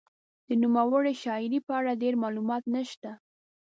د نوموړې شاعرې په اړه ډېر معلومات نشته.